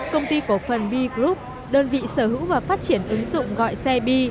công ty cổ phần b group đơn vị sở hữu và phát triển ứng dụng gọi xe bi